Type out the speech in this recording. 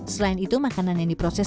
selain itu makanan yang diproses